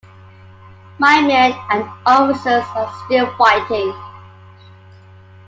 My men and officers are still fighting.